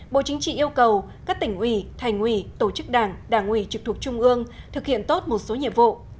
bộ chính trị yêu cầu các tỉnh ủy thành ủy tổ chức đảng đảng ủy trực thuộc trung ương thực hiện tốt một số nhiệm vụ